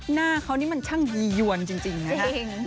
หน้าเขานี่มันช่างยียวนจริงนะ